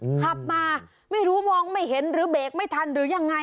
ขับมาไม่รู้มองไม่เห็นหรือเบรกไม่ทันหรือยังไง